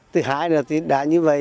thứ hai là thì đã như vậy